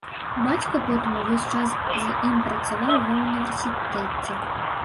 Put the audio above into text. Бацька потым увесь час з ім працаваў ва ўніверсітэце.